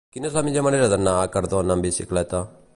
Quina és la millor manera d'anar a Cardona amb bicicleta?